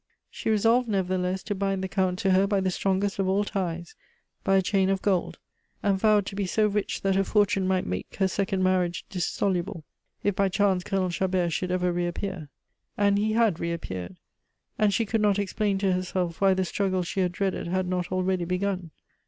She resolved, nevertheless, to bind the Count to her by the strongest of all ties, by a chain of gold, and vowed to be so rich that her fortune might make her second marriage dissoluble, if by chance Colonel Chabert should ever reappear. And he had reappeared; and she could not explain to herself why the struggle she had dreaded had not already begun.